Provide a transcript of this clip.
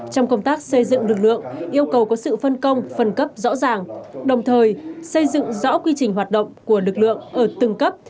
trong công tác xây dựng lực lượng yêu cầu có sự phân công phân cấp rõ ràng đồng thời xây dựng rõ quy trình hoạt động của lực lượng ở từng cấp